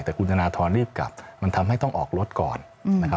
แต่คุณธนทรรีบกลับมันทำให้ต้องออกรถก่อนนะครับ